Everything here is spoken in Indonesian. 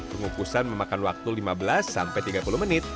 pengukusan memakan waktu lima belas sampai tiga puluh menit